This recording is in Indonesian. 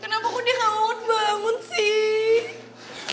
kenapa kok dia gak bangun bangun sih